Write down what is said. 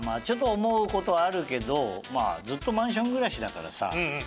ちょっと思うことはあるけどずっとマンション暮らしだからさ